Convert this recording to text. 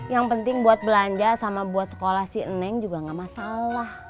yang penting buat belanja sama buat sekolah si neng juga gak masalah